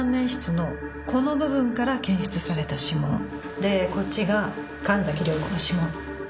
でこっちが神崎涼子の指紋。